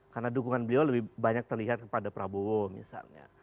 karena dukungan beliau lebih banyak terlihat kepada prabowo misalnya